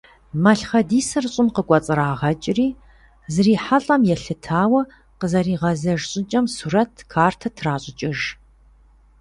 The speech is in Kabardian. Малъхъэдисыр щӀым кӀуэцӀрагъэкӀри, зрихьэлӀэм елъытауэ къызэригъэзэж щӀыкӀэм сурэт, картэ тращӀыкӀыж.